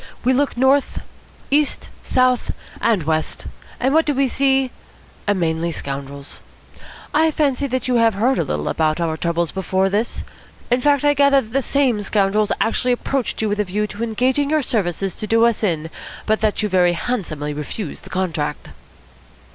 We look north, east, south, and west, and what do we see? Mainly scoundrels. I fancy you have heard a little about our troubles before this. In fact, I gather that the same scoundrels actually approached you with a view to engaging your services to do us in, but that you very handsomely refused the contract."